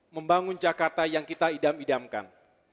membangun jakarta yang kita idam idamkan